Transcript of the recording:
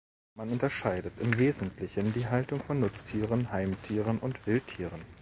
Man unterscheidet im Wesentlichen die Haltung von Nutztieren, Heimtieren und Wildtieren.